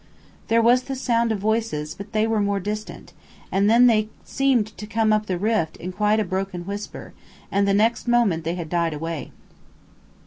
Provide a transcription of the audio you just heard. There was the sound of voices, but they were more distant, and then they seemed to come up the rift in quite a broken whisper, and the next moment they had died away.